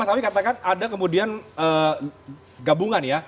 mas awi katakan ada kemudian gabungan ya